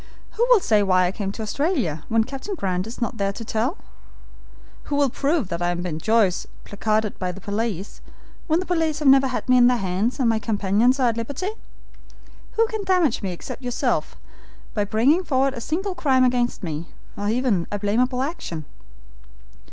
Who will say why I came to Australia, when Captain Grant is not here to tell? Who will prove that I am the Ben Joyce placarded by the police, when the police have never had me in their hands, and my companions are at liberty? Who can damage me except yourself, by bringing forward a single crime against me, or even a blameable action?